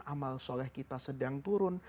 amal soleh kita sedang turun